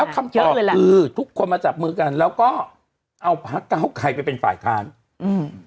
คำตอบคือทุกคนมาจับมือกันแล้วก็เอาพักเก้าไกรไปเป็นฝ่ายค้านอืม